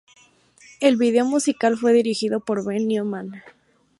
El vídeo musical fue dirigido por Ben Newman.